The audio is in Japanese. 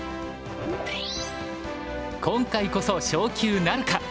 今回こそ昇級なるか？